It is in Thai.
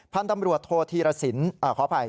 พันธุ์ตำรวจโทษธีรสินขออภัย